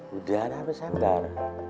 udah udah bersambar